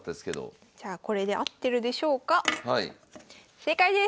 正解です！